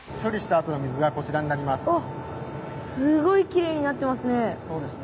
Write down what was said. あっすごいきれいになってますね。